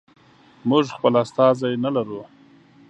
موږ خپل استازی نه لرو.